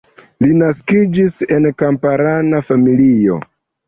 Li naskiĝis en kamparana familio.